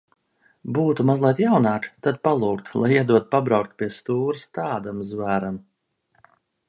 Būtu mazliet jaunāka, tad palūgtu, lai iedod pabraukt pie stūres tādam zvēram.